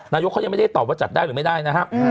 นายกเขายังไม่ได้ตอบว่าจัดได้หรือไม่ได้นะครับ